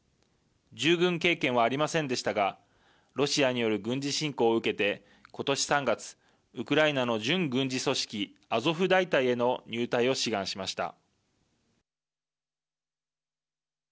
従軍経験はありませんでしたがロシアによる軍事侵攻を受けて今年３月ウクライナの準軍事組織アゾフ大隊への入隊を志願しました。